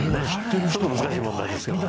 ちょっと難しい問題ですけどね。